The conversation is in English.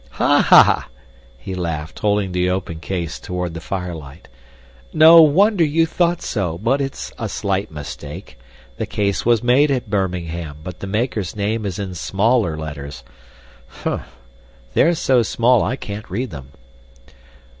"Ha! ha!" He laughed, holding the open case toward the firelight. "No wonder you thought so, but it's a slight mistake. The case was made at Birmingham, but the maker's name is in smaller letters. Humph! They're so small, I can't read them."